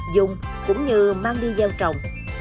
dùng cũng như mang đi gieo trồng